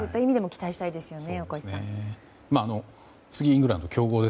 期待したいですね。